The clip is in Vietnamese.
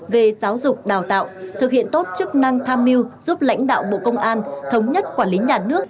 về giáo dục đào tạo thực hiện tốt chức năng tham mưu giúp lãnh đạo bộ công an thống nhất quản lý nhà nước